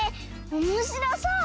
おもしろそう！